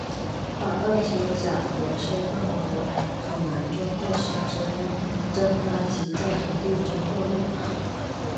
把二溴甲烷释放于土壤中会使之蒸发及在土地中过滤。